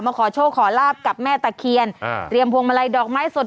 ขอโชคขอลาบกับแม่ตะเคียนอ่าเตรียมพวงมาลัยดอกไม้สด